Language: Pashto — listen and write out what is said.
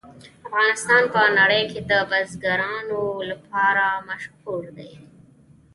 افغانستان په نړۍ کې د بزګانو لپاره مشهور دی.